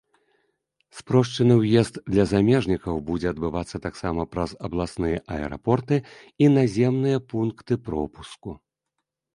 Спрошчаны ўезд для замежнікаў будзе адбывацца таксама праз абласныя аэрапорты і наземныя пункты пропуску.